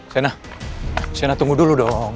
siena siena tunggu dulu dong